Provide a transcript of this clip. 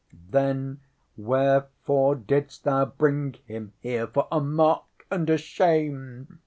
ŌĆØ ŌĆśŌĆ£Then wherefore didst thou bring him here for a mock and a shame?